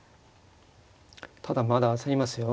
ただまだ焦りますよ。